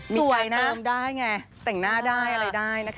มีใครได้ไงต่างหน้าได้อะไรได้นะคะ